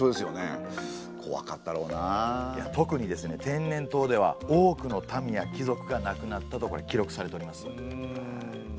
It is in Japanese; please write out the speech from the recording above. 天然痘では多くの民や貴族が亡くなったと記録されております。